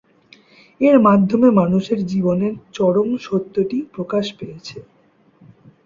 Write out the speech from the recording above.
এর মাধ্যমে মানুষের জীবনের চরম সত্যটি প্রকাশ পেয়েছে।